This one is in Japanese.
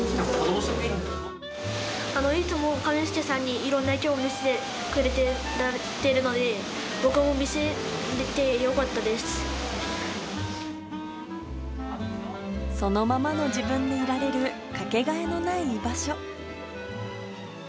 いつもカメスケさんにいろんな生き物見せてくれてもらっているので、僕も見せれてよかったでそのままの自分でいられる掛けがえのない居場所。